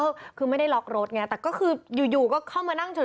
ก็คือไม่ได้ล็อกรถไงแต่ก็คืออยู่ก็เข้ามานั่งเฉย